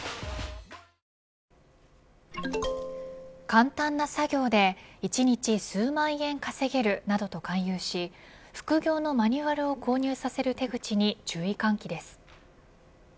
簡単な作業で１日数万円稼げるなどと勧誘し副業のマニュアルを購入させる手口に注意喚起です。